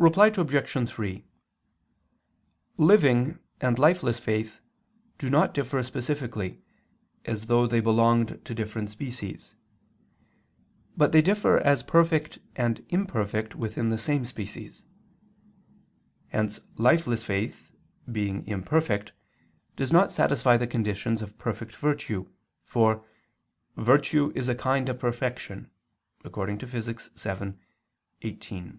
Reply Obj. 3: Living and lifeless faith do not differ specifically, as though they belonged to different species. But they differ as perfect and imperfect within the same species. Hence lifeless faith, being imperfect, does not satisfy the conditions of a perfect virtue, for "virtue is a kind of perfection" (Phys. vii, text. 18).